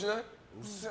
うっせえ！